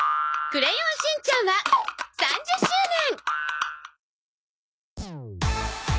『クレヨンしんちゃん』は３０周年。